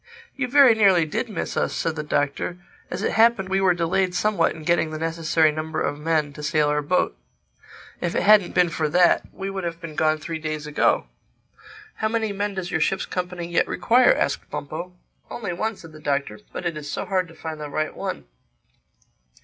"You very nearly did miss us," said the Doctor. "As it happened, we were delayed somewhat in getting the necessary number of men to sail our boat. If it hadn't been for that, we would have been gone three days ago." "How many men does your ship's company yet require?" asked Bumpo. "Only one," said the Doctor—"But it is so hard to find the right one."